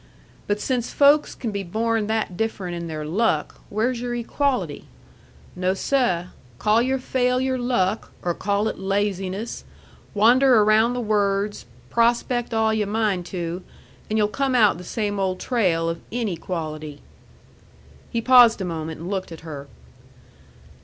But since folks can be born that different in their luck, where's your equality? No, seh! call your failure luck, or call it laziness, wander around the words, prospect all yu' mind to, and yu'll come out the same old trail of inequality." He paused a moment and looked at her.